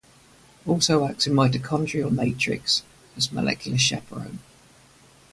Also acts in mitochondrial matrix as molecular chaperone.